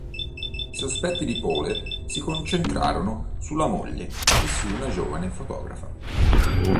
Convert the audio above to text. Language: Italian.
I sospetti di Poole si concentrano sulla moglie e su una giovane fotografa.